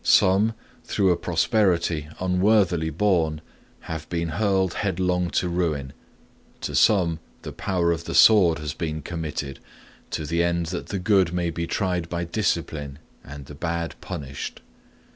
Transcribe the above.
Some, through a prosperity unworthily borne, have been hurled headlong to ruin; to some the power of the sword has been committed, to the end that the good may be tried by discipline, and the bad punished.